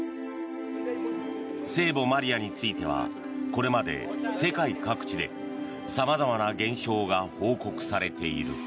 聖母マリアについてはこれまで世界各地で様々な現象が報告されている。